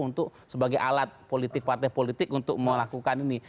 untuk sebagai alat politik partai politik untuk melakukan ini